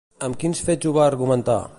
Amb quins fets ho va argumentar?